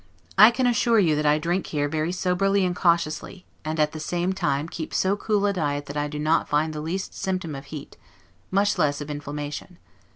I can assure you that I drink here very soberly and cautiously, and at the same time keep so cool a diet that I do not find the least symptom of heat, much less of inflammation.